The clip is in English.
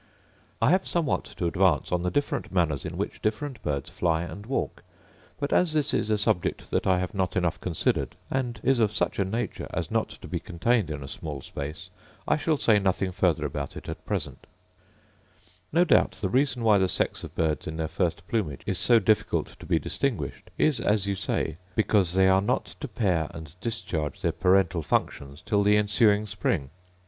I have somewhat to advance on the different manners in which different birds fly and walk; but as this is a subject that I have not enough considered, and is of such a nature as not to be contained in a small space, I shall say nothing farther about it at present.* * See Letter XLIII to Mr. Barrington. No doubt the reason why the sex of birds in their first plumage is so difficult to be distinguished is, as you say, 'because they are not to pair and discharge their parental functions till the ensuing spring.